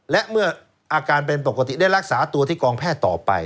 และเมื่ออาการเป็นปกติได้รักษาตัวที่กองแพทย์ต่อไป